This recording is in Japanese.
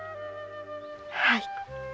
はい。